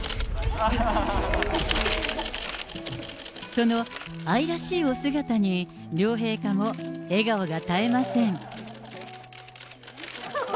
その、愛らしいお姿に両陛下も笑顔が絶えません。